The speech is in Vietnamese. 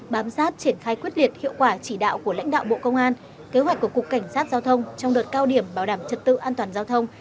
bám sát triển khai quyết liệt hiệu quả chỉ đạo của lãnh đạo bộ công an kế hoạch của cục cảnh sát giao thông trong đợt cao điểm bảo đảm trật tự an toàn giao thông